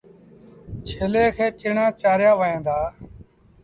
ڇيلي کي چڻآݩ چآريآ وهن دآ۔